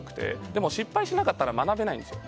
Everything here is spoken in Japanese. でも失敗しなかったら学べないんですよ。